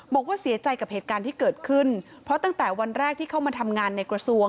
บอกว่าเสียใจกับเหตุการณ์ที่เกิดขึ้นเพราะตั้งแต่วันแรกที่เข้ามาทำงานในกระทรวง